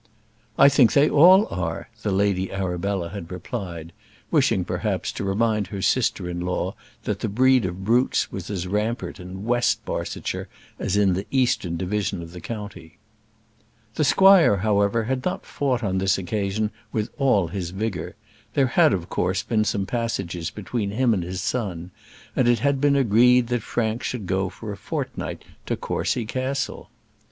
"I think they all are," the Lady Arabella had replied; wishing, perhaps, to remind her sister in law that the breed of brutes was as rampant in West Barsetshire as in the eastern division of the county. The squire, however, had not fought on this occasion with all his vigour. There had, of course, been some passages between him and his son, and it had been agreed that Frank should go for a fortnight to Courcy Castle.